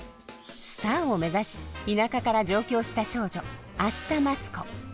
スターを目指し田舎から上京した少女明日待子。